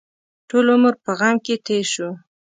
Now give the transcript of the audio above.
ټول عمر په غم کې تېر شو.